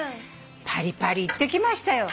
パリパリ行ってきましたよ。